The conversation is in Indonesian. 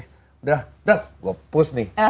udah udah gue post nih